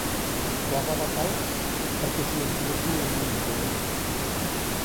Clavava pals perquè s'hi enfilessin les mongeteres.